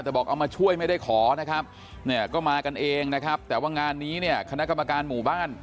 แต่บอกเอามาช่วยไม่ได้ขอนะครับเนี่ยก็มากันเองนะครับ